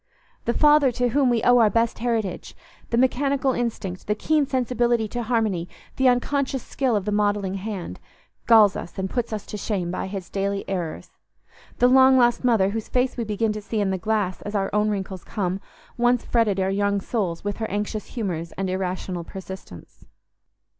The father to whom we owe our best heritage—the mechanical instinct, the keen sensibility to harmony, the unconscious skill of the modelling hand—galls us and puts us to shame by his daily errors; the long lost mother, whose face we begin to see in the glass as our own wrinkles come, once fretted our young souls with her anxious humours and irrational persistence.